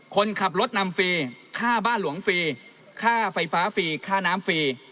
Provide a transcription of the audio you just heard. คนขับรถนำฟรีค่าบ้านหลวงฟรีค่าไฟฟ้าฟรีค่าน้ำฟรี